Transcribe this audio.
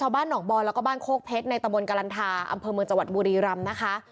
บ้านหนองบอยแล้วก็บ้านโคกเพชรในตะบนกรันทาอำเภอเมืองจังหวัดบุรีรำนะคะ